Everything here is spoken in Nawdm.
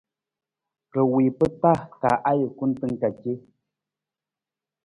Ra wii pa taa ka ajukun tan ka ce.